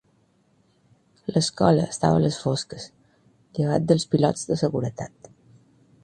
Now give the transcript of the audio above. L'escola estava a les fosques, llevat dels pilots de seguretat.